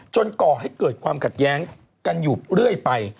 ก่อให้เกิดความขัดแย้งกันอยู่เรื่อยไป